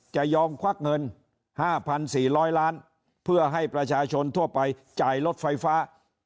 จะยอมควักเงิน๕๔๐๐ล้านเพื่อให้ประชาชนทั่วไปจ่ายรถไฟฟ้า